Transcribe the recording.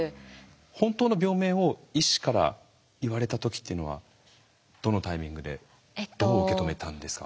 本当の病名を医師から言われた時っていうのはどのタイミングでどう受け止めたんですか？